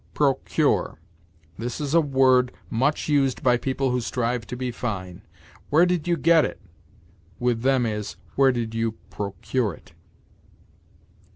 PROCURE. This is a word much used by people who strive to be fine. "Where did you get it?" with them is, "Where did you procure it?"